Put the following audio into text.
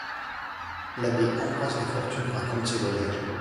L'abbé Ambroise Lafortune raconte ses voyages.